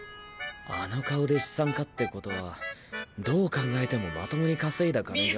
あの顔で資産家ってことはどう考えてもまともに稼いだ金じゃ。